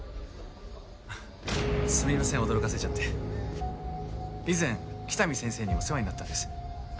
すみません驚かせちゃって以前喜多見先生にお世話になったんですあ